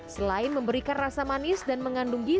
selain memberikan rasa manis dan mengandung gizi